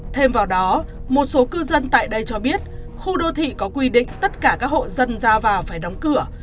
thêm vào đó một số cư dân tại đây cho biết khu đô thị có quy định tất cả các hộ dân ra vào phải đóng cửa